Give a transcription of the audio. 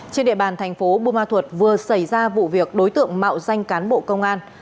trên địa bàn thành phố bùa ma thuật vừa xảy ra vụ việc đối tượng mạo danh cán bộ công an